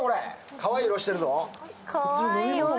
かわいい色してるぞ。